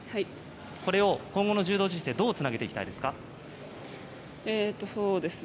これを今後の柔道人生にどうつなげていきたいですか？